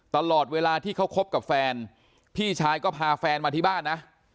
ตลอดเวลาที่เขาคบกับแฟนพี่ชายก็พาแฟนมาที่บ้านนะ